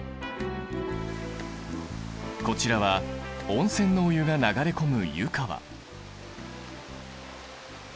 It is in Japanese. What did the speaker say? こちらは温泉のお湯が流れ込む湯川。